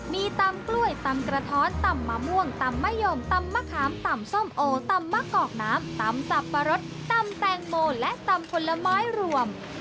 มีตำกล้วยตำกระท้อนตำมะม่วงตำมะยมตำมะขามตำส้มโอตำมะกอกน้ำตำสับปะรดตำแตงโมและตำผลไม้รวม